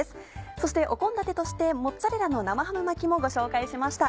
そして献立として「モッツァレラの生ハム巻き」もご紹介しました。